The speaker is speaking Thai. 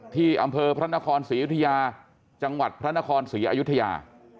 ที่อำเภอพระนครศรีอยุธยาจังหวัดพระนครศรีอยุธยา